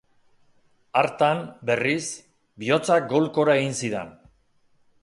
Hartan, berriz, bihotzak golkora egin zidan.